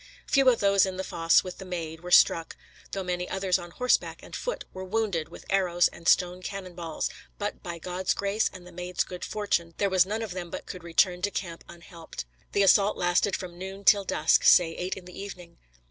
Few of those in the fosse with the Maid were struck, though many others on horse and foot were wounded with arrows and stone cannon balls, but by God's grace and the Maid's good fortune, there was none of them but could return to camp unhelped. The assault lasted from noon till dusk say eight in the evening.